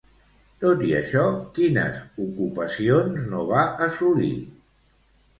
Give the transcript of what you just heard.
Tot i això, quines ocupacions no va assolir?